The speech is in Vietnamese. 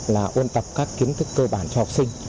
là ôn tập các kiến thức cơ bản cho học sinh